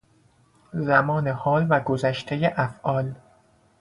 زمان حال و گذشتهی افعال